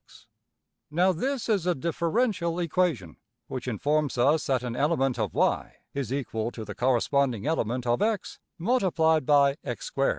\] Now this is a ``differential equation'' which informs us that an element of~$y$ is equal to the corresponding element of~$x$ multiplied by~$x^2$.